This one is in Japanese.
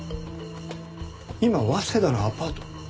今早稲田のアパート？